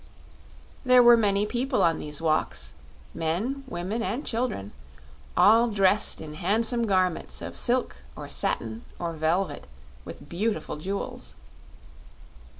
There were many people on these walks men, women and children all dressed in handsome garments of silk or satin or velvet, with beautiful jewels.